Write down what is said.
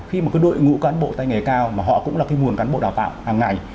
khi một cái đội ngũ cán bộ tay nghề cao mà họ cũng là cái nguồn cán bộ đào tạo hàng ngày